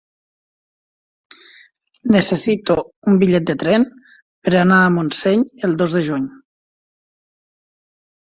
Necessito un bitllet de tren per anar a Montseny el dos de juny.